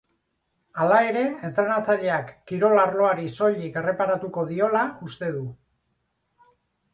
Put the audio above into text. Hala ere, entrenatzaileak kirol arloari soilik erreparatuko diola uste du.